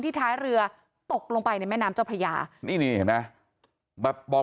ท้ายเรือตกลงไปในแม่น้ำเจ้าพระยานี่นี่เห็นไหมแบบบอก